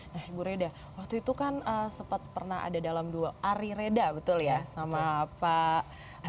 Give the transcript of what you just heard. nah ibu reda waktu itu kan sempat pernah ada dalam dua ari reda betul ya sama pak